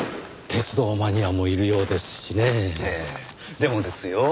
でもですよ